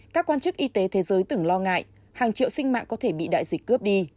các quan chức y tế thế giới từng lo ngại hàng triệu sinh mạng có thể bị đại dịch cướp đi